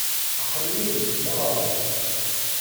Aql-iyi deg tneɣrit.